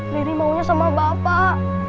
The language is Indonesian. danny maunya sama bapak